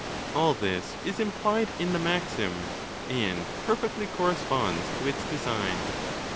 All this is implied in the maxim, and perfectly corresponds to its design.